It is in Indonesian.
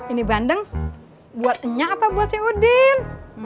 ini bandeng buat enya apa buat si udin